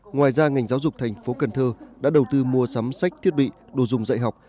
ngoài ra ngành giáo dục thành phố cần thơ đã đầu tư mua sắm sách thiết bị đồ dùng dạy học